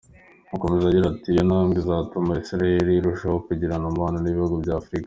Akomeza agira ati "Iyo ntambwe izatuma Isiraheli irushaho kugirana umubano n’ibihugu bya Afurika.